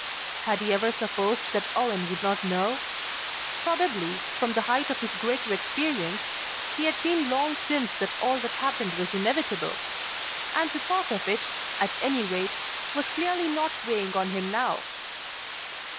Had he ever supposed that Owen would not know? Probably, from the height of his greater experience, he had seen long since that all that happened was inevitable; and the thought of it, at any rate, was clearly not weighing on him now.